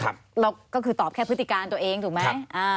เราก็คือตอบแค่พฤติการตัวเองถูกไหม